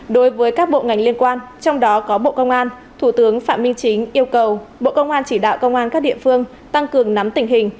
đối với các bộ ngành liên quan trong đó có bộ công an thủ tướng phạm minh chính yêu cầu bộ công an chỉ đạo công an các địa phương tăng cường nắm tình hình